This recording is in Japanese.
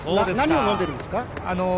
何を飲んでいるんですか？